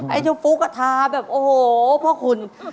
เจ้าฟุ๊กก็ทาแบบโอ้โหพ่อคุณ